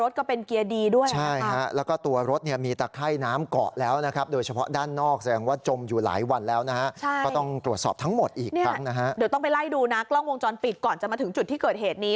เดี๋ยวต้องไปไล่ดูนะกล้องวงจรปิดก่อนจะมาถึงจุดที่เกิดเหตุนี้